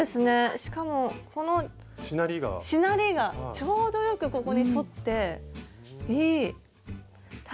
しかもこのしなりがちょうどよくここに沿っていい！